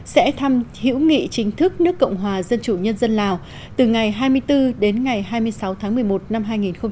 sẽ thăm hiểu nghị chính thức nước cộng hòa dân chủ nhân dân lào từ ngày hai mươi bốn đến ngày hai mươi sáu tháng một mươi một năm hai nghìn hai mươi